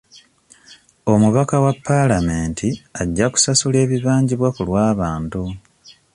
Omubaka wa paalamenti ajja kusasula ebibanjibwa ku lw'abantu.